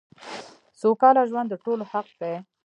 سوکاله ژوند دټولو حق دی .